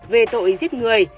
về tội giết người